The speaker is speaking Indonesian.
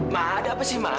ma ada apa sih ma